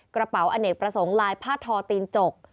กระเป๋าอเนกประสงค์ลายผ้าทอตีนจก